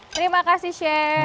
terima kasih chef